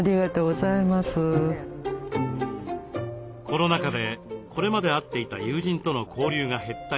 コロナ禍でこれまで会っていた友人との交流が減った